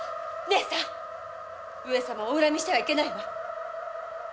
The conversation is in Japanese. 姉さん上様をお恨みしてはいけないわ。